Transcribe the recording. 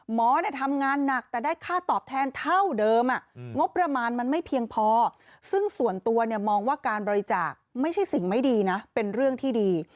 ทำงานหนักแต่ได้ค่าตอบแทนเท่าเดิมงบประมาณมันไม่เพียงพอซึ่งส่วนตัวเนี่ยมองว่าการบริจาคไม่ใช่สิ่งไม่ดีนะเป็นเรื่องที่ดี